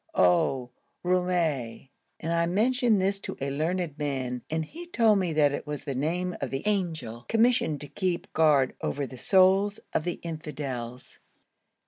O Roumèh!" and I mentioned this to a learned man and he told me that it was the name of the angel commissioned to keep guard over the souls of the infidels.'